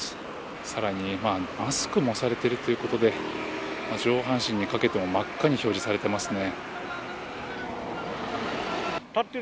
さらに、マスクもされているということで上半身にかけても真っ赤に表示されていますね。